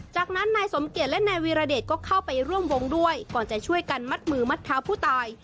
จากนั้นนายสมเกียจและนายวีรเดชก็เข้าไปร่วมวงด้วยก่อนจะช่วยกันมัดมือมัดเท้าผู้ตาย